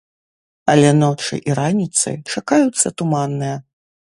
Але ночы і раніцы чакаюцца туманныя.